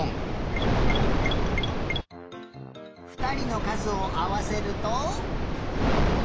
ふたりのかずをあわせると。